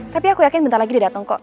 tapi aku yakin bentar lagi dia datang kok